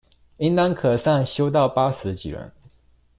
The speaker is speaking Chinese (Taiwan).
應當可上修到八十幾人